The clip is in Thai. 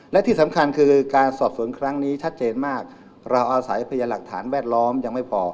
และที่สำคัญคือการสอบสวนครั้งนี้ชัดเจนมากเราอาศัยพยานหลักฐานแวดล้อมยังไม่พอ